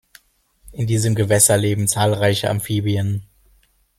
In diesen Gewässern leben zahlreiche Amphibien.